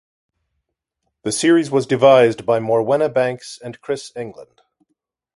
The series was devised by Morwenna Banks and Chris England.